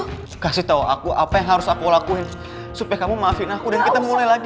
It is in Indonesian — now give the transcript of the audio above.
aku kasih tau aku apa yang harus aku lakuin supaya kamu maafin aku dan kita mulai lagi